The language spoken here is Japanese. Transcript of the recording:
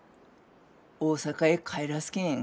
大阪へ帰らすけん。